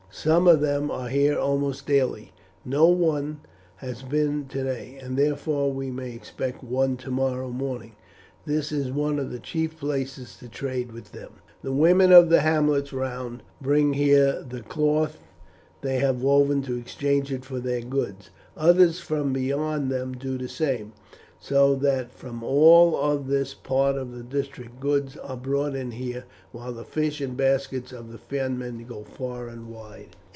"Some of them are here almost daily. No one has been today, and therefore we may expect one tomorrow morning. This is one of the chief places of trade with them. The women of the hamlets round bring here the cloth they have woven to exchange it for their goods, others from beyond them do the same, so that from all this part of the district goods are brought in here, while the fish and baskets of the Fenmen go far and wide."